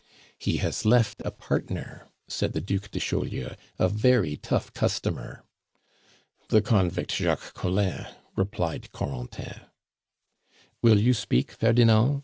"He has left a partner," said the Duc de Chaulieu, "a very tough customer." "The convict Jacques Collin," replied Corentin. "Will you speak, Ferdinand?"